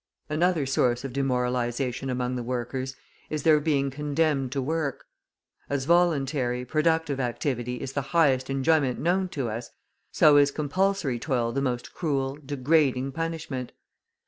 Another source of demoralisation among the workers is their being condemned to work. As voluntary, productive activity is the highest enjoyment known to us, so is compulsory toil the most cruel, degrading punishment.